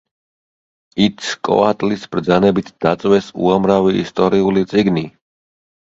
იცკოატლის ბრძანებით დაწვეს უამრავი ისტორიული წიგნი.